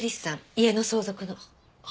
家の相続の。